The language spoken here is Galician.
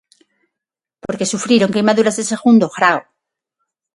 Porque sufriron queimaduras de segundo grao.